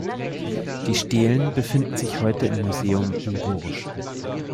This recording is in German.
Die Stelen befinden sich heute im Museum in Bourges.